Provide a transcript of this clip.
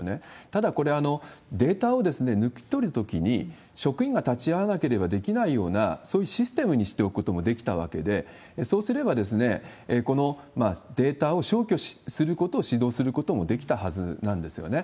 ただこれ、データを抜き取るときに職員が立ち会わなければできないような、そういうシステムにしておくこともできたわけで、そうすれば、このデータを消去することを指導することもできたはずなんですよね。